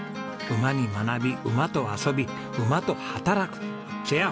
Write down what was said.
馬に学び馬と遊び馬と働くシェア